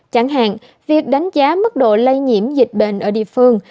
chẳng hạn việc đánh giá mức độ lây nhiễm dịch bệnh ở điện thoại